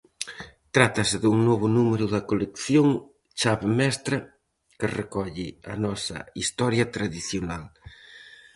Trátase dun novo número da colección "Chave mestra", que recolle a nosa historia tradicional.